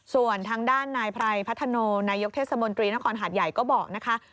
ส่วนทางด้านนายไพรพัฒโนนายกเทศมนตรีนครหาดใหญ่ก็บอกนะคะ